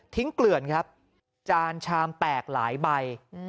เกลื่อนครับจานชามแตกหลายใบ